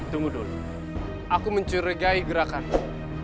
tunggu dulu aku mencurigai gerakanmu